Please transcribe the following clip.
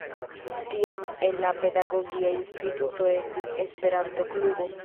Tiam en la Pedagogia Instituto estis Esperanto-klubo.